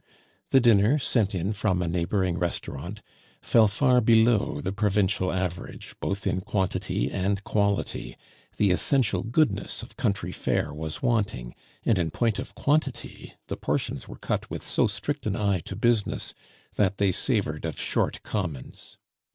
The dinner, sent in from a neighboring restaurant, fell far below the provincial average, both in quantity and quality; the essential goodness of country fare was wanting, and in point of quantity the portions were cut with so strict an eye to business that they savored of short commons.